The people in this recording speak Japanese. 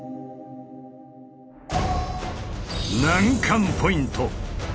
難関ポイント。